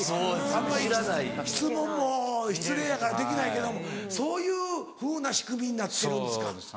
あんまり質問も失礼やからできないけどもそういうふうな仕組みになってるんですか。